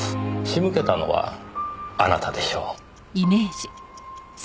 仕向けたのはあなたでしょう。